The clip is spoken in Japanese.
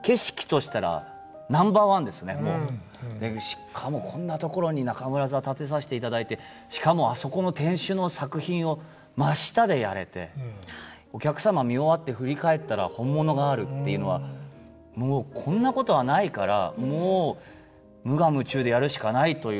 しかもこんなところに中村座建てさせていただいてしかもあそこの天守の作品を真下でやれてお客様見終わって振り返ったら本物があるっていうのはもうこんなことはないからもう無我夢中でやるしかないというのを気持ちで。